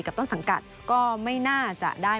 ต้นสังกัดก็ไม่น่าจะได้